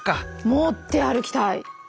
持って歩きたい！